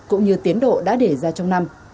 cũng như tiến độ đã để ra trong năm